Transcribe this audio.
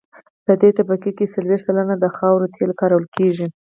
په دې طبقه کې څلویښت سلنه د خاورو تیل کارول کیږي